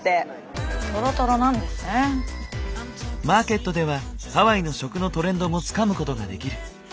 マーケットではハワイの食のトレンドもつかむことができる。